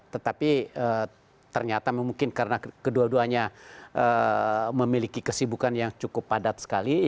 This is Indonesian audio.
tetapi ternyata mungkin karena kedua duanya memiliki kesibukan yang cukup padat sekali